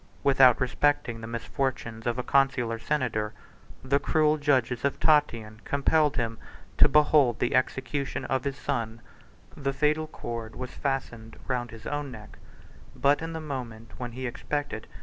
Without respecting the misfortunes of a consular senator, the cruel judges of Tatian compelled him to behold the execution of his son: the fatal cord was fastened round his own neck; but in the moment when he expected.